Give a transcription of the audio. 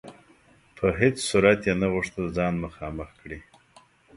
په هیڅ صورت یې نه غوښتل ځان مخامخ کړي.